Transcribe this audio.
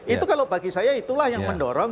itu kalau bagi saya itulah yang mendorong